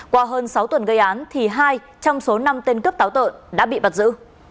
qua hơn sáu tuần gây án thì hai trong số năm tên cướp táo tợn đã bị bắt giữ